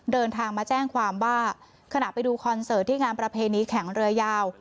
เดินทางมาแจ้งความว่าขณะไปดูคอนเสิร์ตที่งานประเพณีแข่งเรือยาว